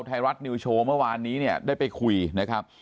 ไทยรัฐนิวโชว์เมื่อวานนี้เนี่ยได้ไปคุยนะครับ